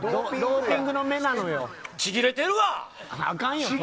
ちぎれてるわ。